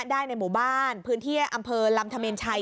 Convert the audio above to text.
ได้ในหมู่บ้านพื้นที่อำเภอลำธเมนชัย